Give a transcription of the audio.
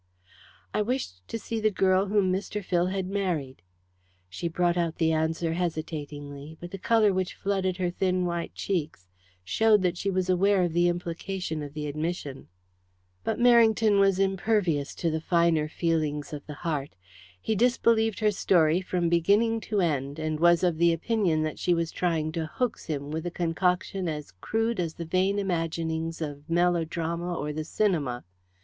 "I wished to see the girl whom Mr. Phil had married." She brought out the answer hesitatingly, but the colour which flooded her thin white cheeks showed that she was aware of the implication of the admission. But Merrington was impervious to the finer feelings of the heart. He disbelieved her story from beginning to end, and was of the opinion that she was trying to hoax him with a concoction as crude as the vain imaginings of melodrama or the cinema.